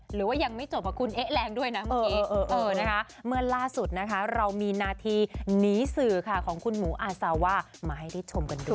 หรือว่ายังไม่จบค่ะคุณเอ๊ะแรงด้วยนะเมื่อกี้นะคะเมื่อล่าสุดนะคะเรามีนาทีหนีสื่อค่ะของคุณหมูอาซาว่ามาให้ได้ชมกันด้วย